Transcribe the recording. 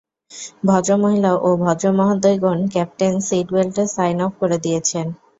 ভদ্রমহিলা ও ভদ্রমহোদয়গণ, ক্যাপ্টেন সিট বেল্টের সাইন অফ করে দিয়েছেন।